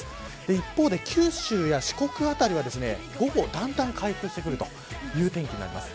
一方で、九州や四国辺りが午後、だんだん回復してくるという天気になります。